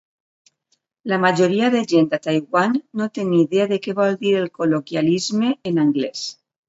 La majoria de gent a Taiwan no té ni idea de què vol dir el col·loquialisme en anglès.